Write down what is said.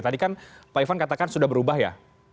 tadi kan pak ivan katakan sudah berubah ya